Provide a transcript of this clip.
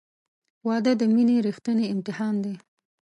• واده د مینې ریښتینی امتحان دی.